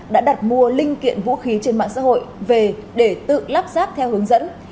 đã đặt mua linh kiện vũ khí trên mạng xã hội về để tự lắp ráp theo hướng dẫn